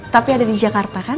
tapi ada di jakarta kan